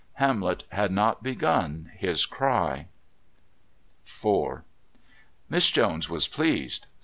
Hamlet had not begun his cry. IV Miss Jones was pleased.